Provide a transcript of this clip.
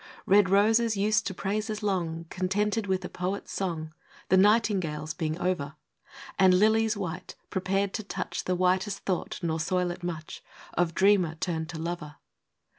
Red roses used to praises long, Contented with the poet's song, The nightingale's being over; And lilies white, prepared to touch The whitest thought, nor soil it much, Of dreamer turned to lover.